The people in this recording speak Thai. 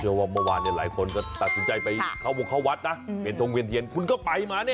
เพราะว่าเมื่อวานหลายคนก็ตัดสุดใจไปเข้าบุคเขาวัดนะเพลินทรงเวียนเย็นคุณก็ไปมาเนี่ย